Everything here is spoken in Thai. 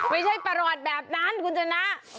ไม่ใช่ปรอดแบบนั้นคุณชนะ